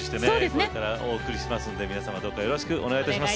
これからお送りしますんで皆様どうかよろしくお願いいたします。